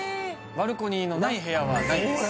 バルコニーのない部屋はないです